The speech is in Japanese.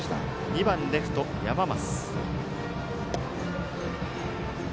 ２番レフト、山増。